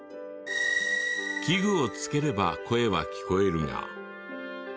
器具を着ければ声は聞こえるが。